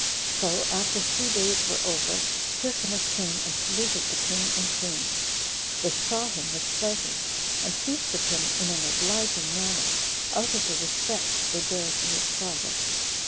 So after three days were over, Hyrcanus came and saluted the king and queen. They saw him with pleasure, and feasted him in an obliging manner, out of the respect they bare to his father.